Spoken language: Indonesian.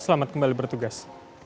selamat kembali bertugas